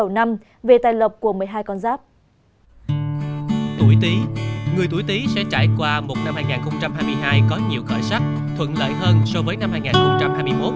người tuổi tí sẽ trải qua một năm hai nghìn hai mươi hai có nhiều khởi sách thuận lợi hơn so với năm hai nghìn hai mươi một